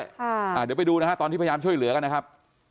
เดี๋ยวไปดูนะฮะตอนที่พยายามช่วยเหลือกันนะครับ